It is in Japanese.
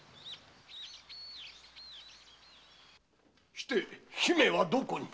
して姫はどこに？